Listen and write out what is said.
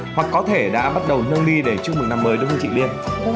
hoặc có thể đã bắt đầu nâng ly để chúc mừng năm mới đúng không chị liên